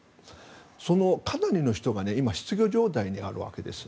そのかなりの人が今、失業状態にあるわけです。